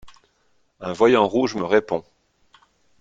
Un voyant rouge me répond.